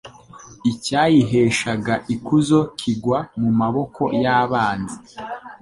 icyayiheshaga ikuzo kigwa mu maboko y’abanzi